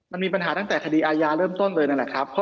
มันมีปัญหาตั้งแต่คดีอาญาเริ่มต้นเลยนั่นแหละครับ